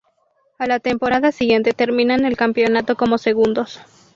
A la temporada siguiente terminan el campeonato como segundos.